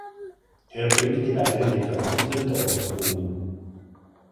Er bringt die beiden Lieferanten dort um.